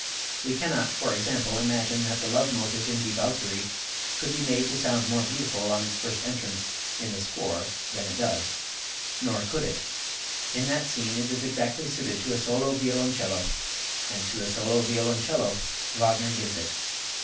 We cannot, for example, imagine that the Love Motive in "Die Walküre" could be made to sound more beautiful on its first entrance in the score than it does. Nor could it. In that scene it is exactly suited to a solo violoncello, and to a solo violoncello Wagner gives it.